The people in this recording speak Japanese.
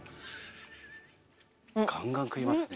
ガンガン食いますね。